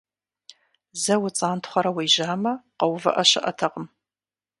Зэ уцӀантхъуэрэ уежьамэ, къэувыӀэ щыӀэтэкъым.